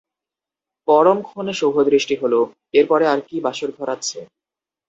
পরম ক্ষণে শুভদৃষ্টি হল, এর পরে আর কি বাসরঘর আছে।